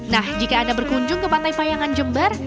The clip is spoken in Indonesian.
nah jika anda berkunjung ke pantai payangan jember